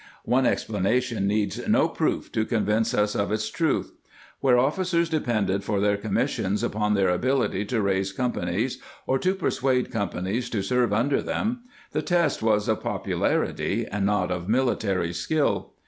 ^ One explanation needs no proof to convince us of its truth. Where officers depended for their commissions upon their ability to raise com panies or to persuade companies to serve under hem, the test was of popularity and not of mil itary skill.